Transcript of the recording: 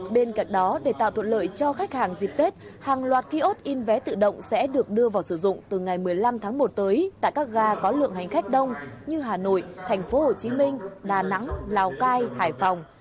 bên cạnh đó để tạo thuận lợi cho khách hàng dịp tết hàng loạt ký ốt in vé tự động sẽ được đưa vào sử dụng từ ngày một mươi năm tháng một tới tại các ga có lượng hành khách đông như hà nội tp hcm đà nẵng lào cai hải phòng